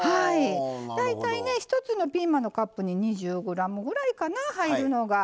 大体１つのピーマンのカップに２０ｇぐらいかな入るのが。